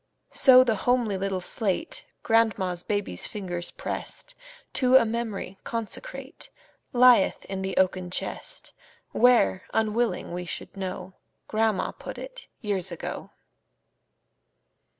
So the homely little slate Grandma's baby's fingers pressed, To a memory consecrate, Lieth in the oaken chest, Where, unwilling we should know, Grandma put it, years ago.